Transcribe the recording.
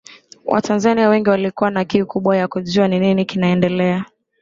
Watanzania wengi walikuwa na kiu kubwa ya kujua nini kinaendelea